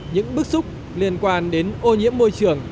những bức xúc liên quan đến ô nhiễm môi trường